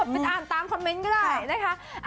ไปอ่านตามคอมเมนต์ก็ได้นะคะ